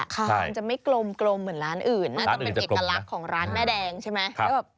มันจะไม่กลมเหมือนร้านอื่นน่าจะเป็นเอกลักษณ์ของร้านแม่แดงใช่ไหม